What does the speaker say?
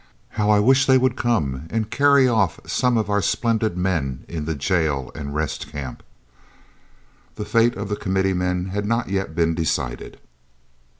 How I wish they would come and carry off some of our splendid men in the jail and Rest Camp!" The fate of the Committee men had not yet been decided.